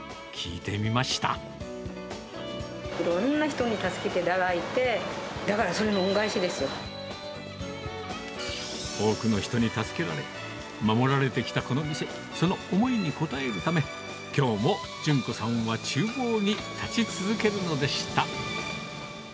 いろんな人に助けていただい多くの人に助けられ、守られてきたこの店、その思いに応えるため、きょうも順子さんはちゅう房に立ち続けるのでした。